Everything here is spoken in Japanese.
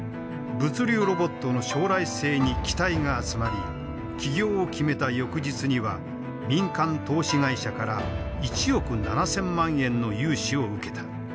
物流ロボットの将来性に期待が集まり起業を決めた翌日には民間投資会社から１億７，０００万円の融資を受けた。